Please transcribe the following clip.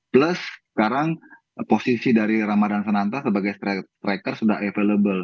plus sekarang posisi dari ramadan sananta sebagai striker sudah available